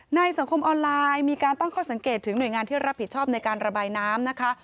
สังคมออนไลน์มีการตั้งข้อสังเกตถึงหน่วยงานที่รับผิดชอบในการระบายน้ำนะคะ